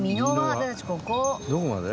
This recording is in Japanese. どこまで？